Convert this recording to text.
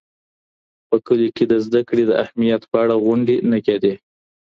په کلیو کي د زده کړې د اهمیت په اړه غونډې نه کيدې.